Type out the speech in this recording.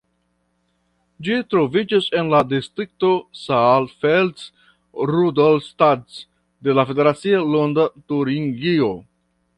Ĝi troviĝas en la distrikto Saalfeld-Rudolstadt de la federacia lando Turingio.